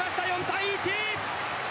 ４対１！